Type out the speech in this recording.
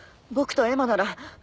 僕とエマなら。